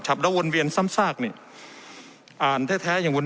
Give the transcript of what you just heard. วนเวียนซ้ำซากนี่อ่านแท้แท้อย่างวน